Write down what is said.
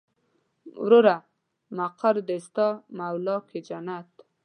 وروره مقر دې ستا مولا کې جنت.